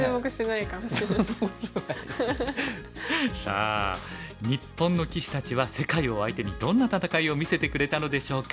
さあ日本の棋士たちは世界を相手にどんな戦いを見せてくれたのでしょうか。